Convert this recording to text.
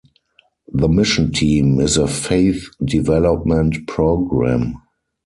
The Mission Team is a faith development program.